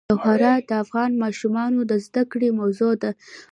جواهرات د افغان ماشومانو د زده کړې موضوع ده.